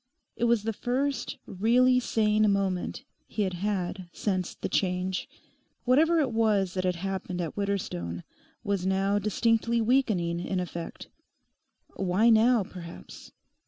It was the first really sane moment he had had since the 'change.' Whatever it was that had happened at Widderstone was now distinctly weakening in effect. Why, now, perhaps?